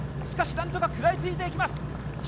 しかし何とか食らいついていきます。